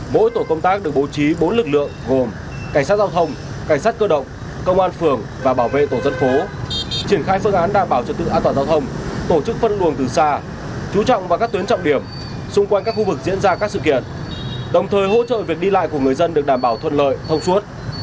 mỗi tổ công tác được bố trí bốn lực lượng gồm cảnh sát giao thông cảnh sát cơ động công an phường và bảo vệ tổ dân phố triển khai phương án đảm bảo trật tự an toàn giao thông tổ chức phân luồng từ xa chú trọng vào các tuyến trọng điểm xung quanh các khu vực diễn ra các sự kiện đồng thời hỗ trợ việc đi lại của người dân được đảm bảo thuận lợi thông suốt